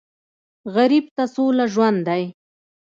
غریب ته سوله ژوند دی